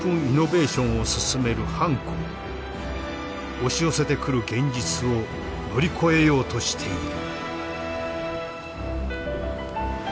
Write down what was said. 押し寄せてくる現実を乗り越えようとしている。